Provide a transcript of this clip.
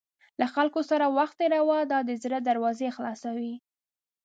له خلکو سره وخت تېروه، دا د زړه دروازې خلاصوي.